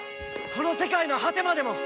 この世界の果てまでも！